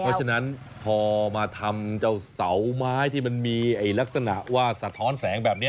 เพราะฉะนั้นพอมาทำเจ้าเสาไม้ที่มันมีลักษณะว่าสะท้อนแสงแบบนี้